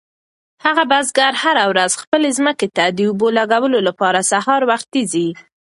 هغه بزګر هره ورځ خپلې ځمکې ته د اوبو لګولو لپاره سهار وختي ځي.